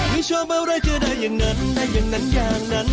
ไม่ชอบอะไรเจอได้อย่างนั้นได้อย่างนั้นอย่างนั้น